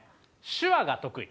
手話が得意。